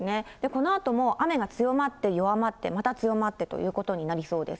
このあとも雨が強まって、弱まって、また強まってということになりそうです。